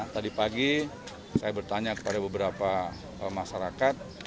tadi pagi saya bertanya kepada beberapa masyarakat